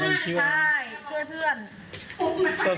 ใช่ช่วยเพื่อน